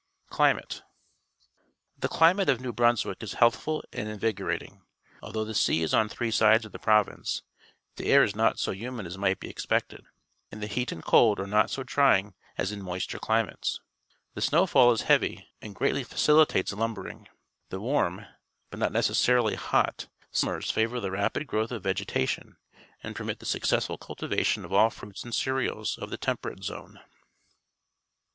Climate .— The climate of New Bi unswick i s healthful and invigorating. .Although the _sea is on three sides of the prov'ince, the air is not so humid as mijiht be expected, and the he :iT ;iiiil cdlil are iidt so trying as in moister climates. The snowfall is heavy and greatly facilitates lumbering. The w arm, but no t necessarily hot, summers favour the rapid gro^yth of vegetation and permit the successful cultivation of all fruits and cereals of the Temperate Zone.